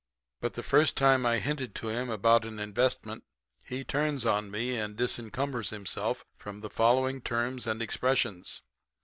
But the first time I hinted to him about an investment, he turns on me and disencumbers himself of the following terms and expressions.